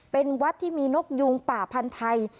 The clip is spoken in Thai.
เป็นวัดที่มีนกยุงป่าพันธ์ไทย